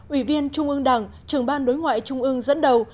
ủy viên trung ương đảng trưởng ban đối ngoại trung ương dẫn đầu